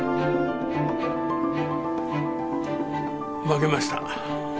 負けました。